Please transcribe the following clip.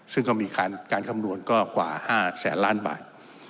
ซึ่งก็มีการคำนวณก็กว่า๕แสนล้านบาท